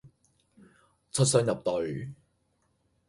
出雙入對